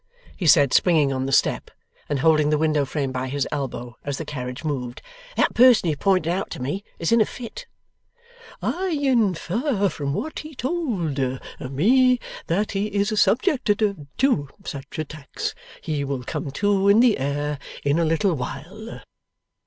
he said, springing on the step, and holding the window frame by his elbow, as the carriage moved. 'That person you pointed out to me is in a fit.' 'I infer from what he told me that he is subject to such attacks. He will come to, in the air, in a little while.